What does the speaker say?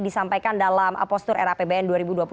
disampaikan dalam apostur rapbn dua ribu dua puluh satu